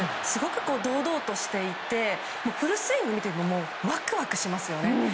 すごく堂々としていてフルスイングを見ててもワクワクしますよね。